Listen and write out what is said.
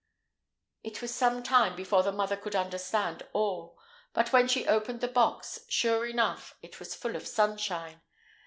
It was some time before the mother could understand all; but when she opened the box, sure enough, it was full of sunshine.